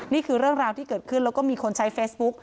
นี่คือเรื่องราวที่เกิดขึ้นแล้วก็มีคนใช้เฟซบุ๊ก